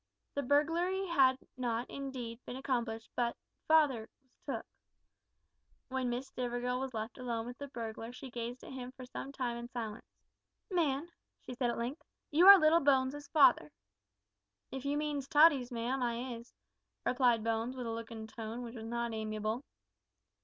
The burglary had not indeed, been accomplished, but "father" was "took." When Miss Stivergill was left alone with the burglar she gazed at him for some time in silence. "Man," she said at length, "you are little Bones's father." "If you means Tottie, ma'am, I is," replied Bones, with a look and tone which were not amiable.